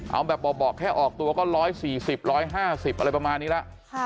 เอาแบบเบาะแค่ออกตัวก็๑๔๐๑๕๐อะไรประมาณนี้แล้ว